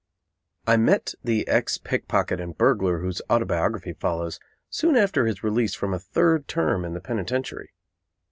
I met the ex pickpocket and burglar whose autobiography follows soon after his release from a third term in the penitentiary.